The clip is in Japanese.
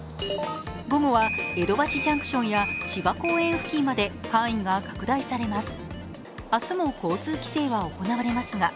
午後は江戸橋ジャンクションや芝公園付近まで範囲が拡大されます。